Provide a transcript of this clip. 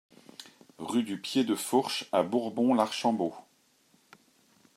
Rue du Pied de Fourche à Bourbon-l'Archambault